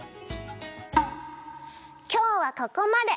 きょうはここまで！